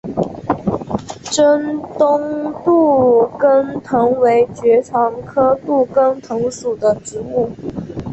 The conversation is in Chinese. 滇东杜根藤为爵床科杜根藤属的植物。